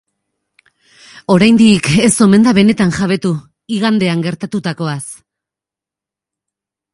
Oraindik, ez omen da benetan jabetu igandean gertatutakoaz.